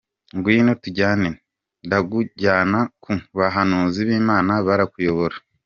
“Ngwino tujyane, ndakujyana ku bahanuzi b’Imana, barakuyobora.”